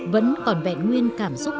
vẫn còn vẹn nguyên cảm xúc